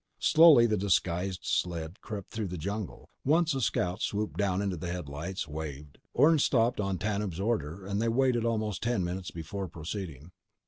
_ Slowly, the disguised sled crept through the jungle. Once, a scout swooped down into the headlights, waved. Orne stopped on Tanub's order, and they waited almost ten minutes before proceeding.